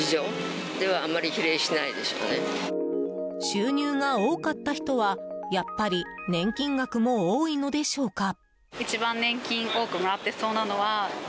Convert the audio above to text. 収入が多かった人はやっぱり年金額も多いのでしょうか？